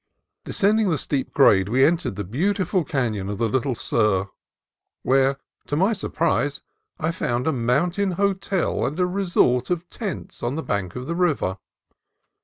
Descending the steep grade we entered the beauti ful canon of the Little Sur, where, to my surprise, I CANON OF THE LITTLE SUR 209 found a mountain hotel and a "resort" of tents on the bank of the river.